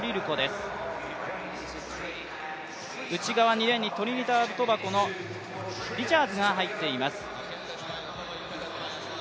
内側２レーンにトリニダード・トバゴのリチャーズが入ってきています。